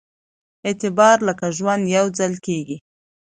اعتبار لکه ژوند يوځل کېږي